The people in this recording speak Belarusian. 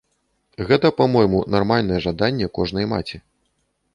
Гэта, па-мойму, нармальнае жаданне кожнай маці.